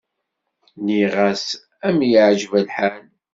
Nniɣ-as am yeɛǧeb lḥal.